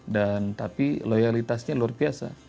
dan tapi loyalitasnya luar biasa